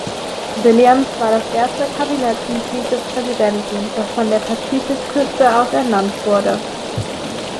Williams war das erste Kabinettsmitglied des Präsidenten, das von der Pazifikküste aus ernannt wurde.